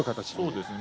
そうですね。